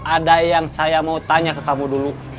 ada yang saya mau tanya ke kamu dulu